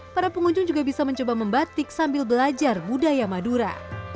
para pengunjung juga bisa mencoba membatik sambil belajar budaya madura